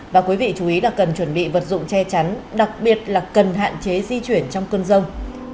và quý vị chú ý là cần chuẩn bị vật dụng che chắn đặc biệt là cần hạn chế di chuyển trong cơn rông